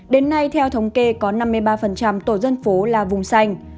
đến nay theo thống kê có năm mươi ba tổ dân phố là vùng xanh